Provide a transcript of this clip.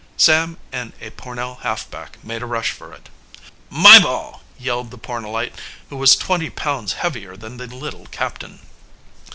Sam and a Pornell halfback made a rush for it. "My ball!" yelled the Pornellite, who was twenty pounds heavier than the little captain.